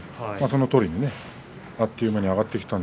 そのとおり、あっという間に上がってきました。